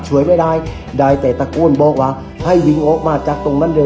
ช่วยไม่ได้ได้แต่ตะโกนบอกว่าให้วิ่งออกมาจากตรงนั้นเลย